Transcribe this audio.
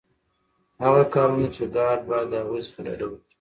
هغه کارونه چي ګارډ باید د هغوی څخه ډډه وکړي.